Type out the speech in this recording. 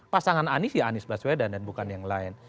pasangan anies ya anies baswedan dan bukan yang lain